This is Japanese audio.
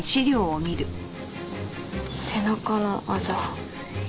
背中のあざ。